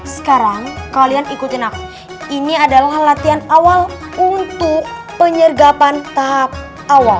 sekarang kalian ikutin aku ini adalah latihan awal untuk penyergapan tahap awal